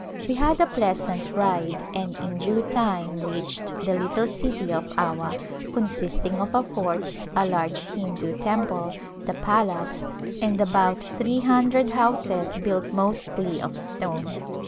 We had a pleasant ride and in due time reached the little city of Awa, consisting of a fort, a large Hindu temple, the palace and about three hun dred houses built mostly of stone.